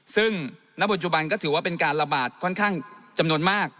ซึ่งณปัจจุบันก็ถือว่าเป็นการระบาดค่อนข้างจำนวนมาก